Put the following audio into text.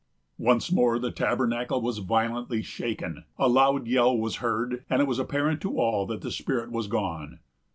Once more the tabernacle was violently shaken, a loud yell was heard, and it was apparent to all that the spirit was gone.